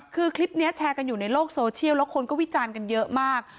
คือคลิปนี้แชร์กันอยู่ในโลกโซเชียลแล้วคนก็วิจารณ์กันเยอะมาก